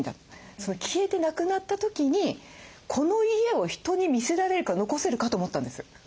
その消えてなくなった時にこの家を人に見せられるか残せるか」と思ったんです。